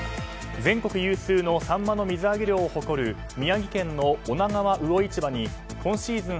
全国有数のサンマの水揚げ量を誇る宮城県の女川魚市場に今シーズン